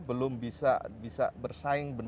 belum bisa bersaing